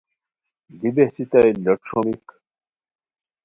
دی بہچیتائے لوٹ ݯھومیک